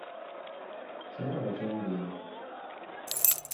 Sɛiɣ d acu ara m-d-iniɣ.